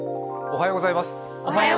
おはようございます。